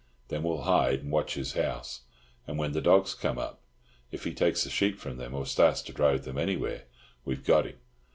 Then we'll hide and watch his house; and when the dogs come up, if he takes the sheep from them, or starts to drive them anywhere, we've got him.